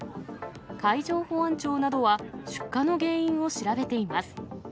海上保安庁などは、出火の原因を調べています。